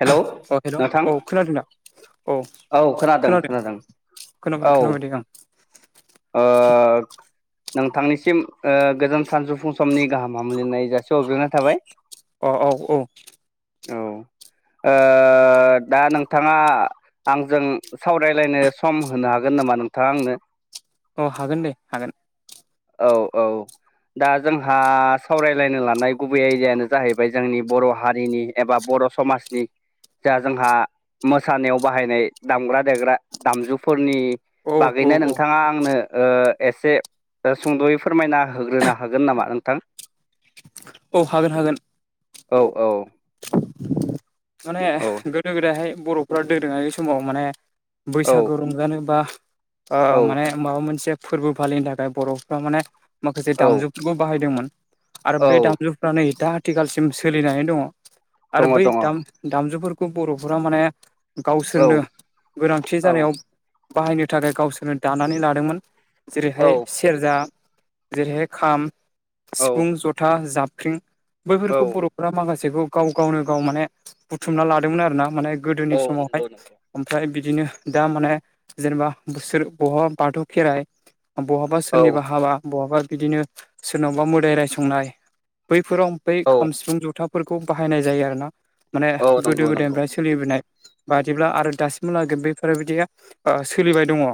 Hello औ hello नोंथां औ खोनादों ना। औ खोनादों औ खोनाबाय खोनाबाय दे आं। ओ नोंथांनिसिम ओ गोजोन सानजौफुं समनि गाहाम हामलायनाय जासि हग्रोरनाय थाबाय। अ औ औ। औ ओ दा नोंथाङा। आंजों सावरायलायनो सम होनो हागोन नामा नोंथाङा आंनो अ हागोन दे हागोन। औ औ। दा जोंहा सावरायलायनो लानाय गुबै आयदायानो जाहैबाय जोंनि बर' हारिनि एबा बर' समाजनि जा जोंहा मोसानायाव बाहायनाय दामग्रा देग्रा दामजुफोरनि औ औ बागैनो औ नोंथांङा आंनो ओ एसे सुंद'यै फोरमायना। होग्रोनो हागोन नामा नोंथां। औ हागोन हागोन‌ । औ औ । माने गोदो गोदायहाय बर'फ्रा दोरोङारि समाव माने । औ बैसागु रंजानो बा ओ औ माने । माबा मोनसे फोरबो फालिनो थाखाय बर'फ्रा माने माखासे औ दामजुफोरबो बाहायदोंमोन। आरो बे औ दामजुफ्रा नै दा आथिखालसिम सोलिनानै दङ। आरो दङ बै दङ औ दामजुफोरखौ बर'फोरा माने। गावसोरनो गोनांथि औ जानायाव बाहायनो थाखाय गावसोरनो दानानै लादोंमोन। औ जेरैहाय सेरजा जेरैहाय खाम। औ सिफुं जथा जाबख्रिं औ बैफोरखौ बर'फोरा माखासेखौ। गाव गावनो गाव माने बुथुमना लादोंमोन आरो ना माने औ गोदोनि समावहाय। नंगौ नंगौ ओमफ्राय बिदिनो दा माने जेनेबा बिसोर बहाबा बाथौ खेराइ। बहाबा औ सोरनिबा हाबा बहाबा बिदिनो सोरनावबा मोदाय रायसंनाय बैफोराव बै औ खाम सिफुं जथाफोरखौ बाहायनाय जायो आरो ना माने औ गोदो नंगौ नंगौ गोदायनिफ्राय सोलिबोनाय बादिब्ला आरो दासिमहालागै बेफोरबायदिया ओ सोलिबाय दंङ।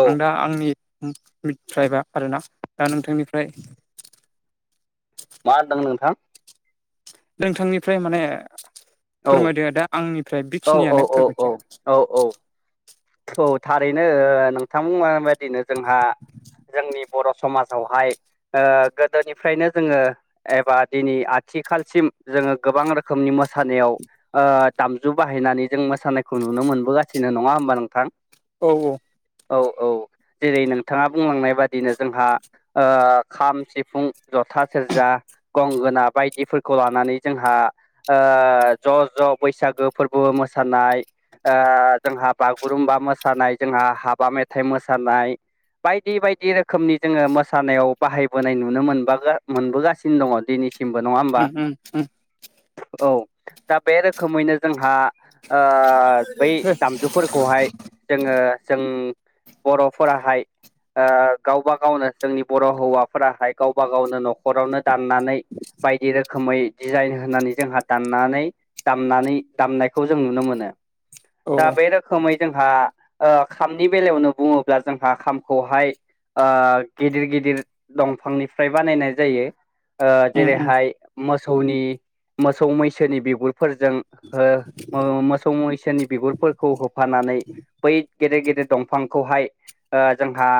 औ आं दा आंनिफ्राय आरोना दा नोंथांनिफ्राय मा होनदों नोंथां? नोंथांनिफ्राय माने औ फोरमायदो दा आंनिफ्राय औ औ बेखिनियानो औ फोरमायथिआ औ औ औ थारैनो नोंथां माबायदिनो जोंहा जोंनि बर' समाजावहाय ओ गोदोनिफ्रायनो जोङो एबा दिनै आथिखालसिम जोङो गोबां रोखोमनि मोसानायाव ओ दामजु बाहायनानै जों मोसानायखौ नुनो मोनबोगासिनो नङा ओमबा नोंथां औ औ। औ औ जेरै नोंथाङा बुंलांनाय बादिनो जोंहा। ओ खाम सिफुं जथा सेरजा। गंगोना बायदिफोरखौ लानानै जोंहा। ओ ज' ज' बैसागो फोरबो मोसानाय ओ जोंहा बागु गुरुम्बा मोसानाय जोंहा हाबा मेथाइ मोसानाय बायदि बायदि रोखोमनि जोङो मोसानायाव बाहायबोनाय नुनो मोनबा मोनबोगासिनो दङ दिनैसिम। सिमबो नङा उम ओमबा उम उम औ दा बे रोखोमैनो जोंहा ओ बै दे दामजु। खौहाय जोङो जों बर'फोराहाय ओ गावबा गावनो जोंनि बर' हौवाफोराहाय गावबा गावनो न'ख न'खरावनो दाननानै बायदि रोखोम खोमै डिजाइन होनानै जोंहा दाननानै दामनानै दामनायखौ जों नुनो मोनो। औ दा बे रोखोमै जोंहा ओ खामनि बेलायावनो बुङोब्ला जोंहा खामखौहाय। ओ गिदिर गिदिर दंफांनिफ्राय बानायनाय जायो। ओ उम जेरैहाय मोसौनि मोसौ मैसोनि बिगुरफोरजों। ओ मोसौ मैसोनि बिगुरफोरखौ होफानानै। बै गेदेर गेदेर दंफांखौहाय ओ जोंहा।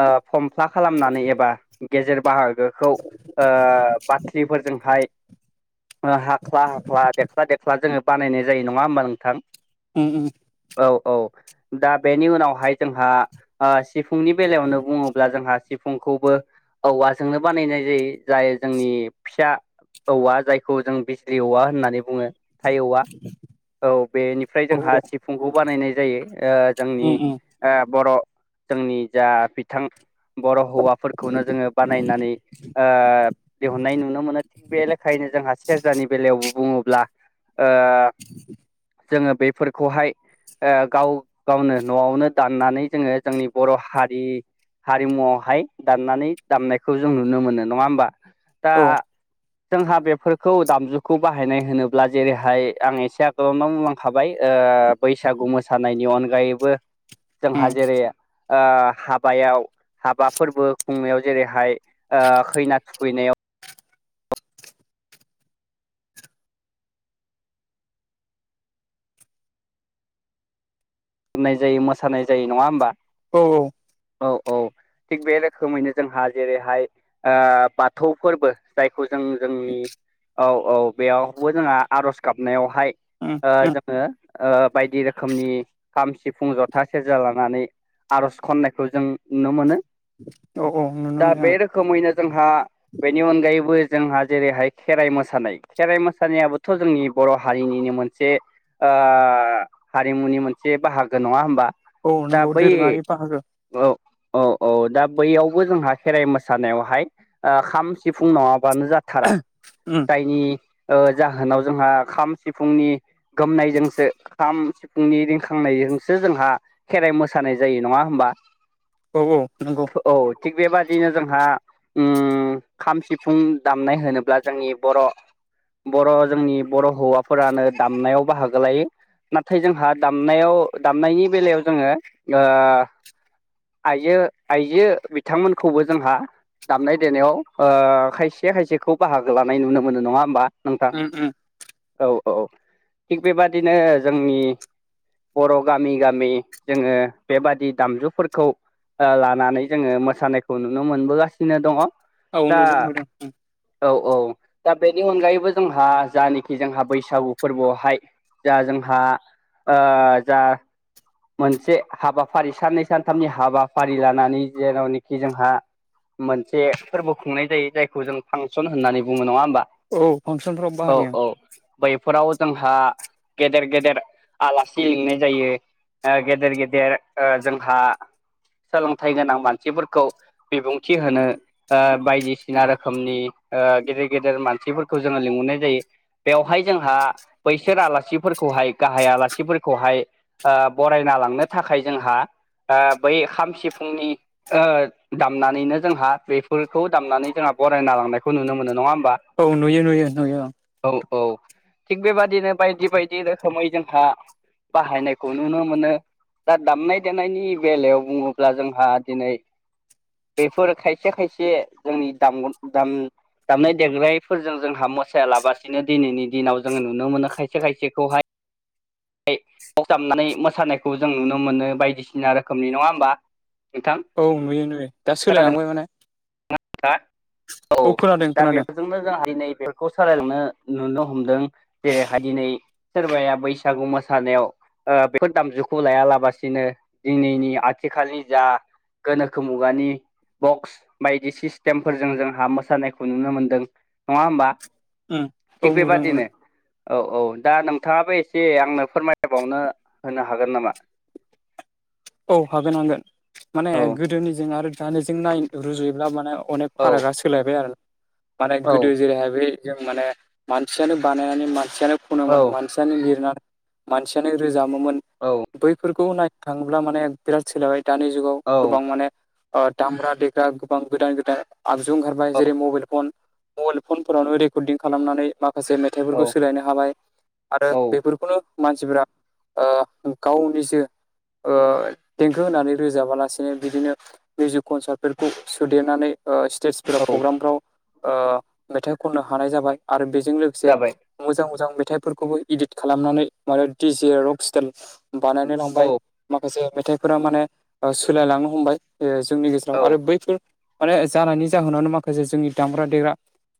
ओ फमफ्ला खालामनानै एबा गेजेर बाहागो। गोखौ ओ बाथ्रिफोरजोंहाय। ओ हाख्ला हाख्ला देख्ला देख्ला जोङो बानायनाय जायो नङा होमबा नोंथां। ओम ओम औ औ दा बेनि उनावहाय जोंहा। आ सिफुंनि बेलायावनो बुङोब्ला जोंहा। सिफुंखौबो औवाजोंनो बानायनाय जायो जाय जोंनि फिसा। औवा जायखौ जों बिज्रि औवा होननानै बुङो। थाइ औवा औ बेनिफ्राय जोंहा सिफुंखौ बानायनाय जायो ओ जोंनि उम ओ बर' जोंनि जा बिथां। बर' हौवाफोरखौनो जोङो बानायनानै। ओ दिहुननाय नुनो मोनो थिग बे लेखायैनो जोंहा सेरजानि बेलायावबो बुङोब्ला। ओ जोङो बेफोरखौहाय। ओ गाव गावनो न'आवनो दाननानै जोङो जोंनि बर' हारि। हारिमुआवहाय दामनानै दामनायखौ जों नुनो मोनो नङा होमबा दा। उम औ उम जोंहा बेफोरखौ दामजुखौ बाहायनाय होनोब्ला जेरैहाय आं एसे आगोलावनाव बुंलां खाबाय ओ बैसागु मोसानायनि अनगायैबो जोंहा जेरै। ओ हाबायाव हाबा फोरबो खुंनायाव जेरैहाय खैना थुखैनायाव। नाय जायो मोसानाय जायो नङा होमबा। औ औ। औ औ। थिग बे रोखोमैनो जोंहा जेरैहाय ओ बाथौ फोरबो। जायखौ जों जोंनि औ औ बेयावबो जोंहा आर'ज गाबनायावहाय। उम उम ओ जोङो ओ बायदि रोखोमनि। खाम सिफुं जथा सेरजा लानानै आरज खन्नायखौ जों नुनो मोनो औ औ नुनो मोनो ओं खमैनो जोंहा बेनि अनगायैबो जोंहा जेरैहाय खेराइ मोसानाय खेराइ मोसानायाबोथ जोंनि बर हारिनिनो मोनसे ओ हारिमुनि मोनसे बाहागो नङा होमबा औ दा नंगौ बै दोरोङारि बाहागो औ औ औ दा बैयावबो जोंहा खेराइ मोसानायावहाय खाम सिफुं नङाबानो जा थारा उम जायनि जाहोनाव जोंहा खाम सिफुंनि गोमनायजोंसो खाम सिफुंनि रिंखां खांनायजोंसो जोंहा खेराइ मोसानाय जायो नङा होमबा औ औ नंगौ औ थिग बेबादिनो जोंहा ओ खाम सिफुं दामनाय होनोब्ला जोंनि बर' बर' जोंनि बर हौवाफोरानो दामनायाव बाहागो लायो नाथाय जोंहा दामनायाव दामनायनि बेलायाव जोंङो ओ आइजो आइजो बिथांमोनखौबो जोंहा दामनाय देनायाव ओ खायसे खायसेखौ बाहागो लानाय नुनो मोनो नङा होमबा? नोंथां उम उम औ औ थिग बेबादिनो जोंनि बर' गामि गामि जोंङो बेबादि दामजुफोरखौ लानानै जोंङो मोसानायखौ नुनो मोनबोगासिनो दङ औ दा नुदों नुदों उम औ औ दा बेनि अनगायैबो जोंहा जानाखि जोंहा बैसागु फोरबोआवहाय जा जोंहा ओ जा मोनसे हाबाफारि साननै सानथामनि हाबाफारि लानानै जेरावनोखि जोंहा मोनसे फोरबो खुंनाय जायो जायखौ जों फांसन होननानै बुङो नङा होमबा? औ फांसनफ्राव औ बाहायो। औ बैफोराव जोंहा गेदेर गेदेर आलासि लिंनाय जायो गेदेर गेदेर ओ जोंहा सोलोंथाइ गोनां मानसिफोरखौ बिबुंथि होनो ओ बायदिसिना रोखोमनि ओ गेदेर गेदेर मानसिफोरखौ जोंङो लिहरनाय जायो। बेवहाय जोंहा बैसोर आलासिफोरखौहाय गाहाय आला सिफोरखौहाय ओ बरायना लांनो थाखाय जोंहा ओ बै खाम सिफुंनि दामनानैनो जोंहा बेफोरखौ दामनानै जोंहा बरायना लांनायखौ नुनो मोनो नङा होमबा? औ नुयो नुयो नुयो। औ औ थिग बेबादिनो बायदि बायदि रोखोमै जोंहा बाहायनायखौ नुनो मोनो। दा दामनाय देनायनि बेलायाव बुङोब्ला जोंहा दिनै बेफोर खायसे खायसे जोंनि दाम दाम दामनाय देगनायफोरजों जोंहा मोसाया लाबसिनो दिनैनि दिनाव जोंङो नुनो मोनो खायसे खायसेखौहाय बक्सदामनानै मोसानायखौ जों नुनो मोनो बायदिसिना रोखोमनि नङा होमबा? नोंथां औ नुयो नुयो दा खोनादों सोलायलांबाय माने औ औ खोनादों दा खोनादों बेफोरजोंनो जों [unintelligible] खौ सालायलांनो नुनो हमदों जेरैहाय दिनै सोरबाया बैसागु मोसानायाव बेफोर दामजुखौ लायालाबसिनो दिनैनि आथिखालनि जा गोनोखो मुगानि बक्स बायदि सिस्टेमफोरजों जोंहा मोसानायखौ नुनो मोनदों नङा होमबा? उम औ थिक नुदों बेबायदिनो नुदों औ औ दा नोंथाङाबो एसे आंनो फोरमायबावनो होनो हागोन नामा? औ हाबोन नांगोन माने औ गोदोनिजों आरो दानिजों नाय रुजुयोब्ला माने अनेक औ फारागा सोलायबाय आरो माने औ गोदो जेरैहाय बै जों माने मानसियानो बानायनानै मानसियानो औ खनोमोन मानसि [unintelligible] लिरना मानसियानो रोजामोमोन औ बैफोरखौ नायनो थाङोब्ला माने बिराद सोलायबाय दानि जुगाव गोबां माने दामग्रा देग्रा गोबां गोदान गोदान आगजु ओंखारबाय जेरै- मबाइल फन मबाइल फनफोरावनो रेकर्डिं खालामनानै माखासे औ फिथाइफोरखौ सोलायनो हाबाय आरो औ बेफोरखौनो मानसिफोरा गावनि देंखो होनानै रोजाबालासिनो बिदिनो मिउजिक कनसार्टफोरखौ सोदेरनानै स्टेज फोराव औ प्रग्रामफ्राव मेथाइ खननो हानाय जाबाय आरो बेजों लोगोसे जाबाय मोजां मोजां मेथाइफोरखौबो इदिट खालामनानै मान दिजे रक स्टाइल बानायनो औ लांबाय माखासे मेथाइफोरा माने सोलायलांनो हमबाय जोंनि गेजेराव औ आरो बैफोर माने जानायनि जाहोनावनो माखासे जोंनि दामग्रा देग्रा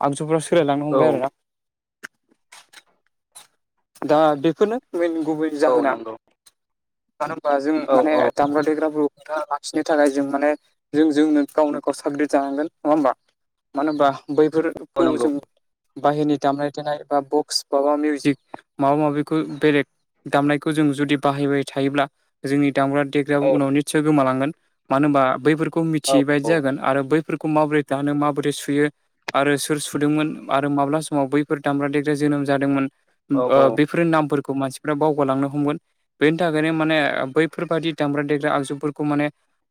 आगजुफोरा सोलायलांनो हमबाय औ आरो दा बेफोरनो मेन गुबै औ जाहोना नंगौ। मानो होनबा जों औ माने औ दामग्रा देग्राफोरखौ खोन्था लाखिनो थाखाय जों माने जों जोंनो गावनो गाव साग्रिट जानांगोन नङा होमबा मानो होमबा औ बैफोरखौ नंगौ जों बाहेरनि दामनाय देनाय बा बक्स माबा मिउजिक माबा माबिखौ बेलेग दामनायखौ जों जुदि बाहायबाय थायोब्ला जोंनि दामग्रा देग्रायाबो औ जायो उनाव निस्सय गोमालांगोन मानो होनबा बैफोरखौ खौ औ मिथियै बायदि जागोन आरो बैफोरखौ माबोरै दानो माबोरै सुयो आरो सोर सुदोंमोन आरो माब्ला समाव बैफोर दामब्रा देग्रा जोनोम जादोंमोन औ बेफोर बेफोर नामफोरखौ मानसिफ्रा बावगालांनो हमगोन। बेनि थाखायनो माने बैफोरबादि दामग्रा देग्रा आगजुफोरखौ माने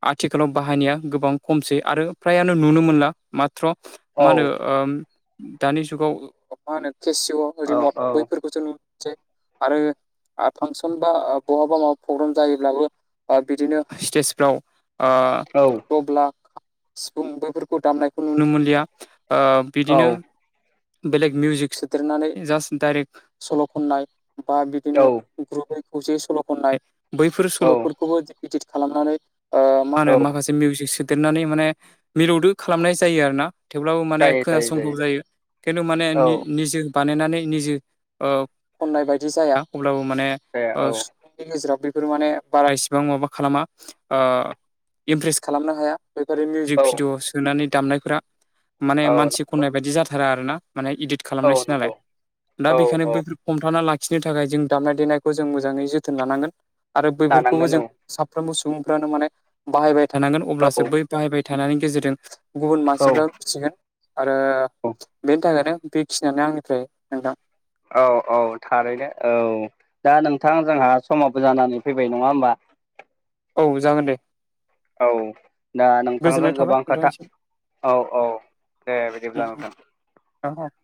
आथिखालाव बाहायनाया गोबां खमसै आरो फ्रायानो नुनो मोनला माथ्र औ मा होनो दानि जुगाव मा होनो केसिअ' औ-औ खौसो नुनोसै आरो फांसन बा बहाबा मा प्रग्राम जायोब्लाबो बिदिनो स्टेजफ्राव औ दब्ला, सिफुं बेफोरखौ दामनायखौ नुनो मोनलिया बिदिनो बेलेग मिउजिक सोदेरनानै जास्ट डाइरेक्ट सल' खननाय बा बिदिनो ग्रुुबै खौसेै सल' खननाय बैफोर सल'फोरखौबो इदित खालामनानै मा औ होनो माखासे मिउजिक सोदेरनानै माने मिलौदो खालामनाय जायो आरो ना। थेवब्लाबो माने खोनासंगौ जायो खिन्थु माने औ निजे बानायनानै निजे खननाय बायदि जाया अब्लाबो माने जाया नि गेजेराव बेफोरो माने बारा इसेबां माबा खालामा इमप्रेस खालामनो हाया बेफोर‌ मिउजिक औ भिडिअ सोनानै दामनायफोरा माने औ मानसि नंगौ खननाय बायदि जाथारा आरो ना माने इदिट औ खालामनायसो नालाय नंगौ दा औ बे बेखायनो औ बैफोर हमथाना लाखिनो थाखाय जों दामनाय देनायखौ जों मोजाङै जोथोन लानांगोन। आरो बैफोरखौबो लानांगोन जों साफ्रोमबो सुबुंफ्रानो माने बाहायबाय थानांगोन औ अब्लासो बै बाहायबाय थानायनि गेजेरजों गुबुन औ मानसिफ्रा मिथिगोन आरो बेनि थाखायनो बे फिनानै आंनिफ्राय नोंथां औ औ थारैनो औ दा नोंथां जोंहा समाबबो जानानै फैबाय नङा होमबा? औ जागोन दे। औ दा नोंथांजों गोजोननाय थाबाय गोबां खोथा औ औ दे बिदिब्ला नोंथां। नोंथांनिसिम [unintelligible]